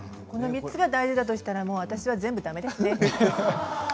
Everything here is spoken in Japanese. この３つが大事だとしたら私は全部だめですね。